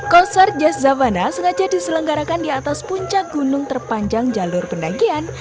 konser jazz zavana sengaja diselenggarakan di atas puncak gunung terpanjang jalur pendakian